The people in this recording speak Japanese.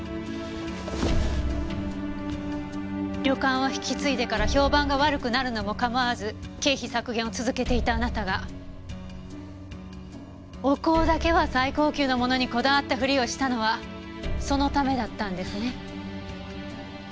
旅館を引き継いでから評判が悪くなるのも構わず経費削減を続けていたあなたがお香だけは最高級のものにこだわったふりをしたのはそのためだったんですね？